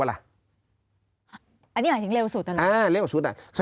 อันนี้หมายถึงเร็วสุดหรอ